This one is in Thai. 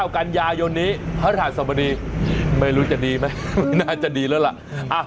กันยายนนี้พระราชสมดีไม่รู้จะดีไหมไม่น่าจะดีแล้วล่ะ